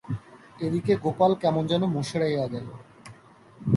এদিকে গেপাল কেমন যেন মুষড়াইয়া গেল।